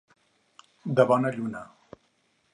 De bona lluna.